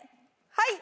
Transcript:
はい！